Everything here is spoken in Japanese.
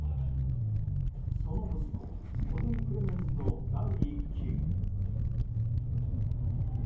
その息子、コディ・クレメンスの第１球。